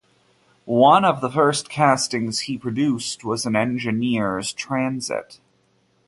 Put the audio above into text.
One of the first castings he produced was an engineer's transit.